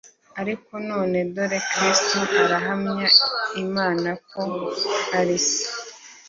Ariko none dore Kristo arahamya Imana ko ari Se